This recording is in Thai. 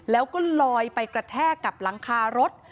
แล้วก็ลอยไปกระแทกกับหลังคารถ